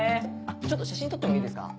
ちょっと写真撮ってもいいですか？